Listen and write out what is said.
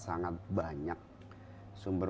sangat banyak sumber